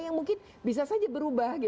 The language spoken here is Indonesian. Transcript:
yang mungkin bisa saja berubah